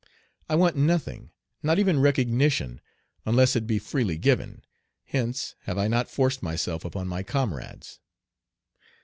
I want nothing, not even recognition, unless it be freely given, hence have I not forced myself upon my comrades.